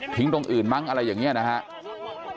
ตรงอื่นมั้งอะไรอย่างนี้นะครับ